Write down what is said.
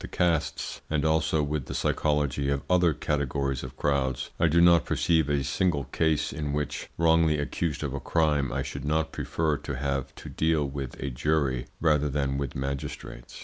Being well acquainted with the psychology of castes, and also with the psychology of other categories of crowds, I do not perceive a single case in which, wrongly accused of a crime, I should not prefer to have to deal with a jury rather than with magistrates.